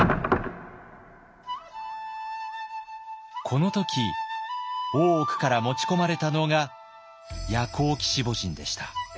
この時大奥から持ち込まれたのが夜光鬼子母神でした。